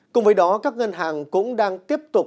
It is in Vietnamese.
cùng với đó các ngân hàng cũng đang tiếp tục